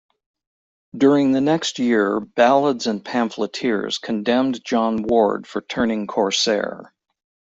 During the next year ballads and pamphleteers condemned John Ward for turning corsair.